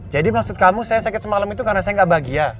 jadi maksud kamu saya sakit semalam itu karena saya gak bahagia